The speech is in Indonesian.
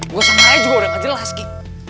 gue sama raya juga udah gak jelas ki